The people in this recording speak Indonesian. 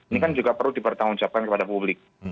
ini kan juga perlu dipertanggungjawabkan kepada publik